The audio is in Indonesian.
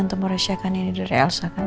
untuk meresahkan ini dari elsa kan